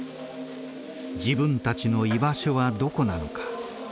自分たちの居場所はどこなのか。